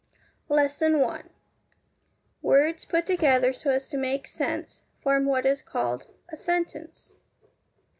LESSON I Words put together so as to make sense form what is called a sentence.